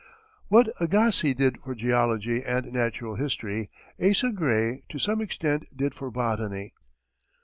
What Agassiz did for geology and natural history, Asa Gray to some extent did for botany.